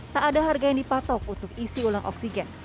tak ada harga yang dipatok untuk isi ulang oksigen